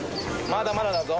まだまだだぞ。